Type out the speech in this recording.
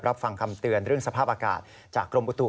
ฟังคำเตือนเรื่องสภาพอากาศจากกรมอุตุ